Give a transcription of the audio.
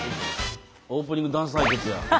オープニングダンス対決や。